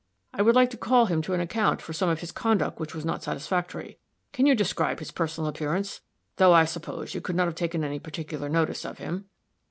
I would like to call him to an account for some of his conduct which was not satisfactory. Can you describe his personal appearance? though, I suppose, you could not have taken any particular notice of him."